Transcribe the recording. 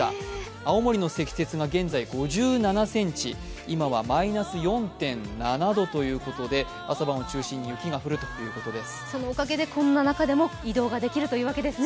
青森の積雪が現在５７ｃｍ今はマイナス４．７度ということで朝晩を中心に雪が降るということです。